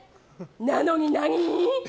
なのに、何？